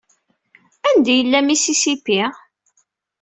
Anda i yella Mississippi?